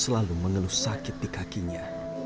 selalu mengeluh sakit di kakinya